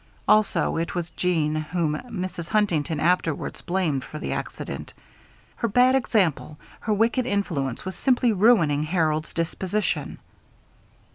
Also, it was Jeanne whom Mrs. Huntington afterwards blamed for the accident. Her bad example, her wicked influence was simply ruining Harold's disposition.